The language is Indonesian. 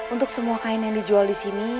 untuk semua kain yang dijual di sini